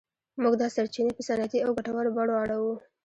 موږ دا سرچینې په صنعتي او ګټورو بڼو اړوو.